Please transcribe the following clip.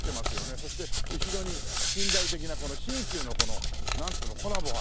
そして後ろに近代的な新旧のこのなんていうのコラボが。